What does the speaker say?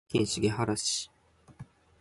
千葉県茂原市